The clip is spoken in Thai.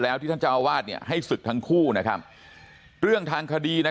แล้วที่ท่านเจ้าอาวาสเนี่ยให้ศึกทั้งคู่นะครับเรื่องทางคดีนะ